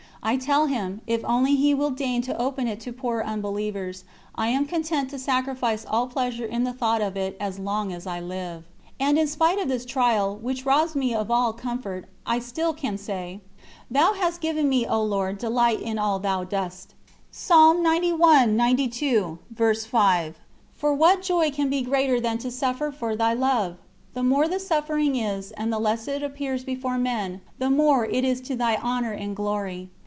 I tell him, if only He will deign to open it to poor unbelievers, I am content to sacrifice all pleasure in the thought of it as long as I live. And in spite of this trial, which robs me of all comfort, I still can say: "Thou hast given me, O Lord, delight in all Thou dost." For what joy can be greater than to suffer for Thy Love? The more the suffering is and the less it appears before men, the more is it to Thy Honour and Glory.